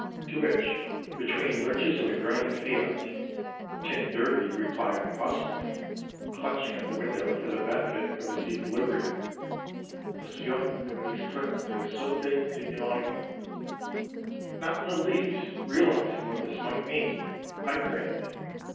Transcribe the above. —to which, between lurches of the groaning F.I.A.T., t d replied awesomely, clutching at the window for the benefit of his equilibrium: "Monsieur le Ministre de Sureté de Noyon." Not in the least realizing what this might mean, I grinned.